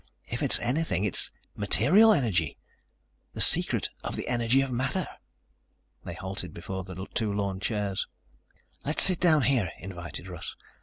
If it's anything, it's material energy, the secret of the energy of matter." They halted before two lawn chairs. "Let's sit down here," invited Russ.